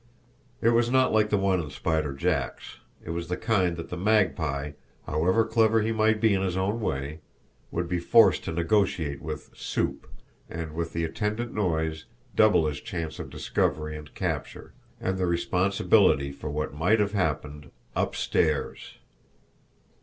It was not like the one in Spider Jack's; it was the kind that the Magpie, however clever he might be in his own way, would be forced to negotiate with "soup," and, with the attendant noise, double his chance of discovery and capture and the responsibility for what might have happened UPSTAIRS!